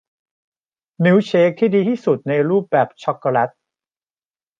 มิลค์เชคดีที่สุดในรูปแบบช็อกโกแลต